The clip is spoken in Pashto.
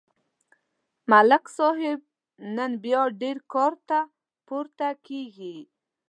ملک صاحب نن بیا ډېر کارته پورته کېږي.